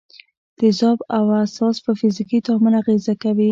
تیزاب او اساس په فزیکي تعامل اغېزه کوي.